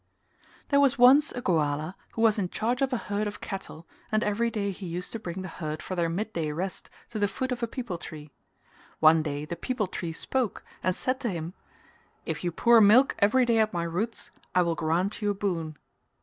There was once a Goala who was in charge of a herd of cattle and every day he used to bring the herd for their midday rest to the foot of a peepul tree. One day the peepul tree spoke and said to him "If you pour milk every day at my roots I will grant you a boon."